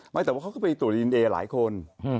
แต่ว่าเขาก็ไปตรวจดีเอนเอหลายคน